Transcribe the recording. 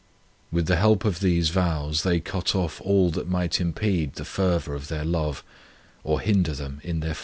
2 With the help of these vows they cut off all that might impede the fervour of their love or hinder them in their flight to God.